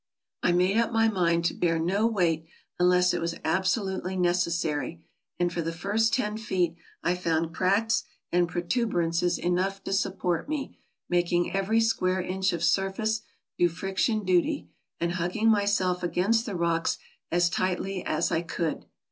I made up my mind to bear no weight unless 114 TRAVELERS AND EXPLORERS it was absolutely necessary; and for the first ten feet I found cracks and protuberances enough to support me, making every square inch of surface do friction duty, and hugging myself against the rocks as tightly as I could.